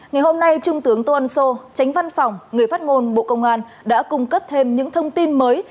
ngày hôm nay trung tướng tô ân sô tránh văn phòng người phát ngôn bộ công an đã cung cấp thêm những thông tin mới